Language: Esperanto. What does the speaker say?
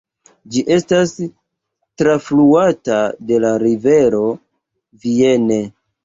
Ĝi estas trafluata de la rivero Vienne.